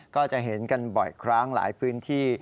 ก็จะเห็นกันบ่อยครั้งหลายพื้นที่